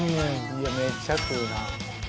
「いやめっちゃ食うなあ」